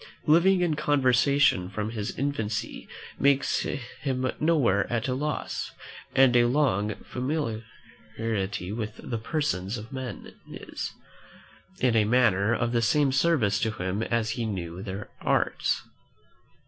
Living in conversation from his infancy makes him nowhere at a loss; and a long familiarity with the persons of men is, in a manner, of the same service to him as if he knew their arts.